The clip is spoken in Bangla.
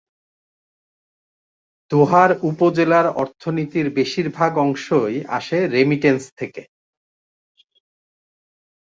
দোহার উপজেলার অর্থনীতির বেশির ভাগ অংশই আসে রেমিটেন্স থেকে।